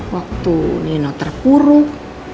waktu nino terpuruk